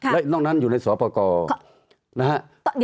และนอกนั้นอยู่ในสอปกรนะฮะ